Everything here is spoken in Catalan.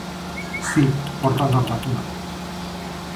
Sí, pot reservar aquí mateix.